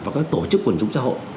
và các tổ chức quần chúng xã hội